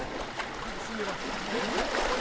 タグ死んでます。